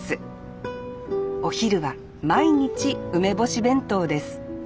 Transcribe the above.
お昼は毎日梅干し弁当です